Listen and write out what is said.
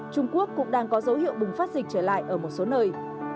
trung quốc cũng đang có dấu hiệu bùng phát dịch trở lại ở một số nơi